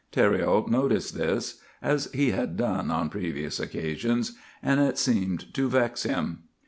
Thériault noticed this, as he had done on previous occasions, and it seemed to vex him.